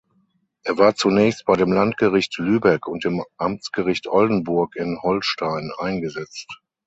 Er war zunächst bei dem Landgericht Lübeck und dem Amtsgericht Oldenburg in Holstein eingesetzt.